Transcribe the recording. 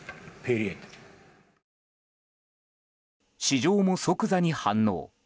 市場も即座に反応。